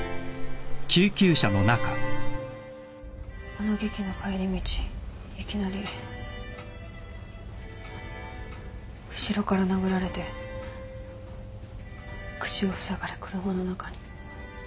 あの劇の帰り道いきなり後ろから殴られて口をふさがれ車の中に。